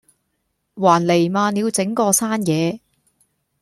還漓漫了整個山野